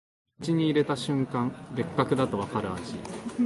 口に入れた瞬間、別格だとわかる味